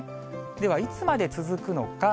ではいつまで続くのか。